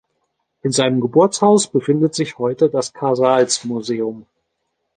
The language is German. In seinem Geburtshaus befindet sich heute das Casals-Museum.